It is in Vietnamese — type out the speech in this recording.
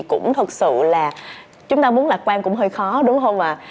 cũng thật sự là chúng ta muốn lạc quan cũng hơi khó đúng không ạ